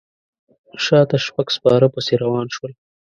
شاته شپږ سپاره پسې روان شول.